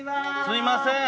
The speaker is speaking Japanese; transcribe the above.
すいません。